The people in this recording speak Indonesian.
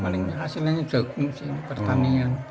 palingnya hasilnya jagung sih pertanian